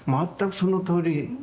全くそのとおり。